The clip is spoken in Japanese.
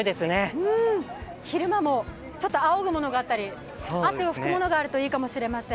昼間もちょっとあおぐものがあったり、汗を拭くものがあるといいかもしれません。